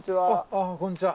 あっこんにちは。